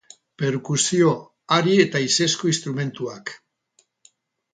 Perkusio, hari eta haizezko instrumentuak.